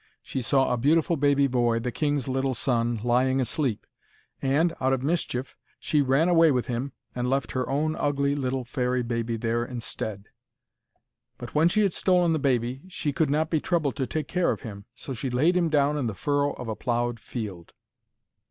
She saw a beautiful baby boy, the king's little son, lying asleep, and, out of mischief, she ran away with him and left her own ugly little fairy baby there instead. But when she had stolen the baby, she could not be troubled to take care of him. So she laid him down in the furrow of a ploughed field.